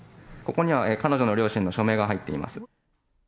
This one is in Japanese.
ここには彼女の両親の署名が入っています。